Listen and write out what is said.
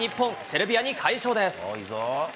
セルビアに快勝です。